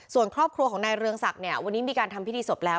ส่วนครอบครัวของนายเรืองศักดิ์เนี่ยวันนี้มีการทำพิธีศพแล้ว